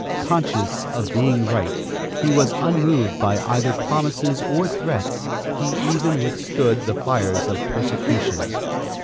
Conscious of being right, he was unmoved by either promises or threats, and he even withstood the fires of persecution.